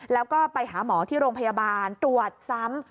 แล้วก็ไปหาหมอที่โรงพยาบาลตรวจซ้ำ